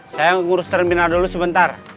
saya ngurus terminal dulu sebentar